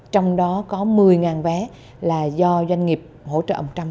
trong đó có một mươi vé là do doanh nghiệp hỗ trợ một trăm linh